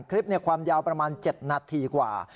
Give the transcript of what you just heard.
คลิปความยาวประมาณ๗นาทีกว่า